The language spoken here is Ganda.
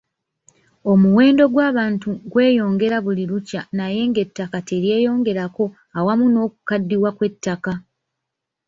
Omuwendo gw’abantu gweyongera buli lukya naye ng’ettaka teryeyongerako awamu n’okukaddiwa kw’ettaka.